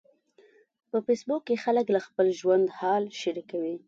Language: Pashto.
په فېسبوک کې خلک له خپل ژوند حال شریکوي.